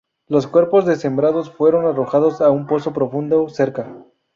Los cuerpos desmembrados fueron arrojados a un pozo profundo cerca.